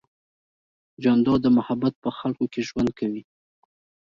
جانداد د محبت په خلقو کې ژوند کوي.